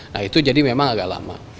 nah itu jadi memang agak lama